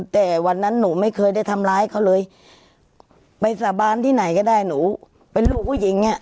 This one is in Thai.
แต่วันนั้นหนูไม่เคยได้ทำร้ายเขาเลยไปสาบานที่ไหนก็ได้หนูเป็นลูกผู้หญิงอ่ะ